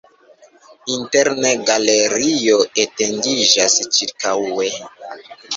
Interne galerio etendiĝas ĉirkaŭe.